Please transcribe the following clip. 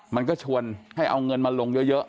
มันก็ชวนให้เอาเงินมาลงเยอะ